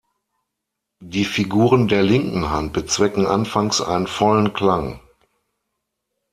Die Figuren der linken Hand bezwecken anfangs einen vollen Klang.